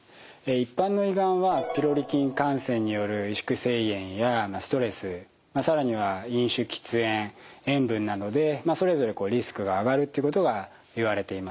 一般の胃がんはピロリ菌感染による萎縮性胃炎やストレス更には飲酒喫煙塩分などでそれぞれリスクが上がるっていうことがいわれています。